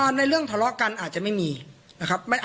ในเรื่องทะเลาะกันอาจจะไม่มีนะครับ